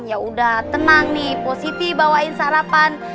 ya udah tenang nih positif bawain sarapan